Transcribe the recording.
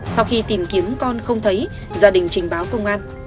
sau khi tìm kiếm con không thấy gia đình trình báo công an